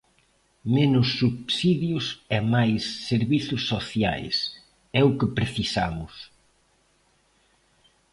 Menos subsidios e mais servizos sociais, é o que precisamos